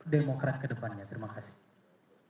demokrat kedepannya terima kasih